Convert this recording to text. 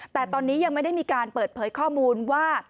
แต่ตอนนี้ยังไม่ได้มีการเปิดเผยข้อมูลว่า